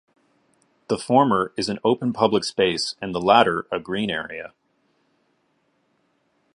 The former is an open public space and the latter a green area.